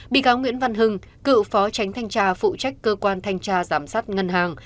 bị cáo nguyễn văn hưng cựu phó tránh thanh tra phụ trách cơ quan thanh tra giám sát ngân hàng